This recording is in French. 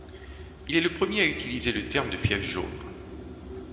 Il est le premier à utiliser le terme de fièvre jaune.